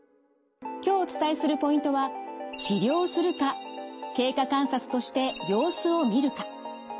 今日お伝えするポイントは治療するか経過観察として様子を見るか。